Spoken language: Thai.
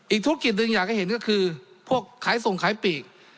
ธุรกิจหนึ่งอยากให้เห็นก็คือพวกขายส่งขายปีก